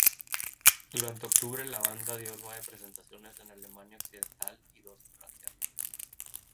Durante octubre la banda dio nueve presentaciones en Alemania Occidental y dos en Francia.